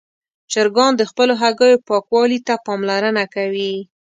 چرګان د خپلو هګیو پاکوالي ته پاملرنه کوي.